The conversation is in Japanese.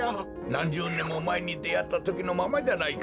なんじゅうねんもまえにであったときのままじゃないか。